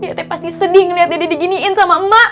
dia teh pasti sedih ngeliat dede diginiin sama emak